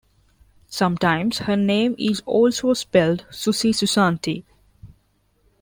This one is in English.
Sometimes her name is also spelled Susi Susanti.